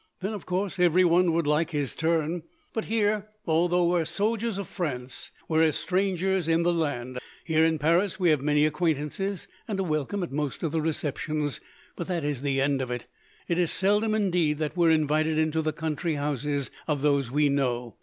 Then, of course, everyone would like his turn. But here, although we are soldiers of France, we are as strangers in the land. Here in Paris we have many acquaintances, and a welcome at most of the receptions; but that is the end of it. It is seldom, indeed, that we are invited into the country houses of those we know.